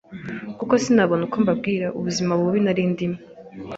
kuko sinabona uko mbabwira ubuzima bubi nari ndimo